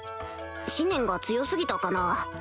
思念が強過ぎたかな？